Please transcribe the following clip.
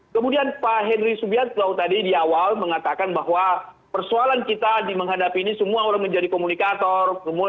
kemudian pak henry subianto tadi di awal mengatakan bahwa persoalan kita di menghadapi ini semua orang menjadi komunikator